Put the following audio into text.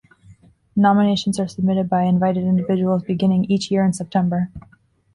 Nominations are submitted by invited individuals beginning each year in September.